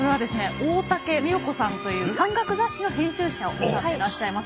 大武美緒子さんという山岳雑誌の編集者をなさってらっしゃいます。